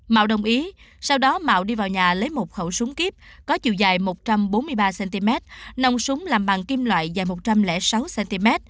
mạo đồng ý sau đó mạo đi vào nhà lấy một khẩu súng kíp có chiều dài một trăm bốn mươi ba cm nông súng làm bằng kim loại dài một trăm linh sáu cm